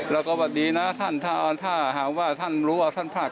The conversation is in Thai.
แล้วก็สวัสดีนะท่านถ้าหากว่าท่านรู้ว่าท่านพลาด